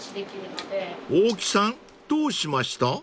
［大木さんどうしました？］